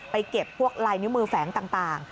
เก็บพวกลายนิ้วมือแฝงต่าง